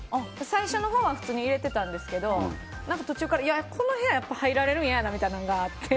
最初のほうは普通に入れてたんですけど途中から、この部屋入られるの嫌やなみたいなのあって。